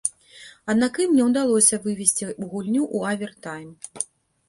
Аднак ім не ўдалося вывесці гульню ў авертайм.